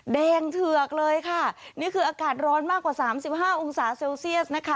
เทือกเลยค่ะนี่คืออากาศร้อนมากกว่าสามสิบห้าองศาเซลเซียสนะคะ